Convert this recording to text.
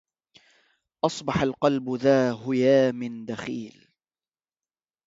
أصبح القلب ذا هيام دخيل